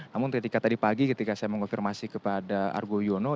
namun ketika tadi pagi ketika saya mengonfirmasi kepada argo yono